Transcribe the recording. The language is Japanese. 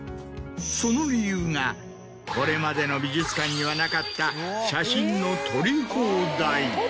その理由がこれまでの美術館にはなかった写真の撮り放題。